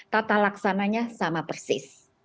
tata laksananya sama persis